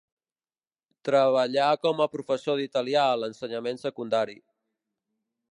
Treballà com a professor d'italià a l'ensenyament secundari.